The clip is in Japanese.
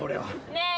ねえ。